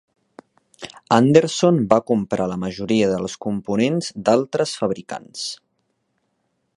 Anderson va comprar la majoria dels components d'altres fabricants.